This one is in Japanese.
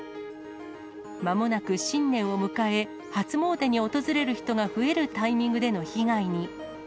まもなく新年を迎え、初詣に訪れる人が増えるタイミングでの被害に。